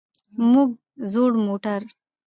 موږ زوړ موټر.